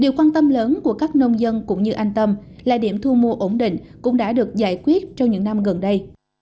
điều quan tâm lớn của các nông dân cũng như anh tâm là điểm thu mua ổn định cũng đã được giải quyết trong những năm gần đây